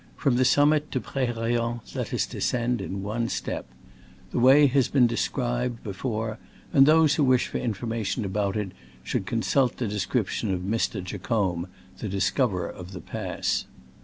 From the summit to Prerayen let us descend in one step. The way has been described before, and those who wish for information about it should consult the description of Mr. Jacomb, the discoverer of the pass.